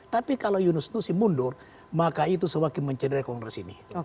tapi kalau yunus nusi mundur maka itu semakin mencederai kongres ini